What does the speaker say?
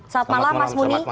selamat malam mas muni